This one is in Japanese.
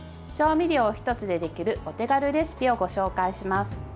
調味料１つでできるお手軽レシピをご紹介します。